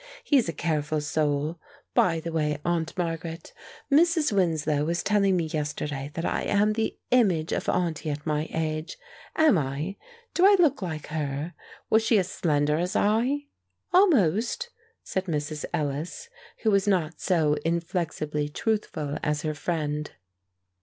He's a careful soul. By the way, Aunt Margaret, Mrs. Winslow was telling me yesterday that I am the image of auntie at my age. Am I? Do I look like her? Was she as slender as I?" "Almost," said Mrs. Ellis, who was not so inflexibly truthful as her friend.